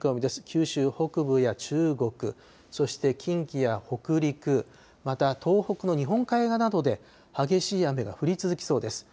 九州北部や中国、そして近畿や北陸、また、東北の日本海側などで激しい雨が降り続きそうです。